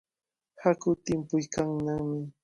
Yaku timpuykannami.